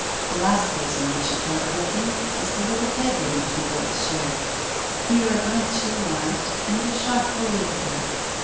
The last place in which she thought of looking was the little bedroom the two girls shared. Here at length she arrived, and a shock awaited her.